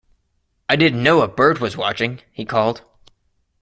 “I didn’t know a bird was watching,” he called.